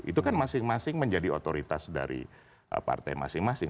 itu kan masing masing menjadi otoritas dari partai masing masing